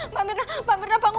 mbak mirna bangun